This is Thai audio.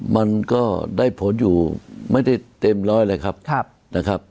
มันก็ได้ผลอยู่ไม่ได้เต็มร้อยเลยครับนะครับ